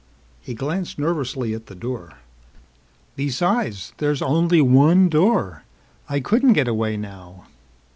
He glanced nervously at the door. "Besides there's only one door. I couldn't get away now."